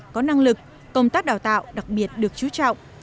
có năng lực công tác đào tạo đặc biệt được chú trọng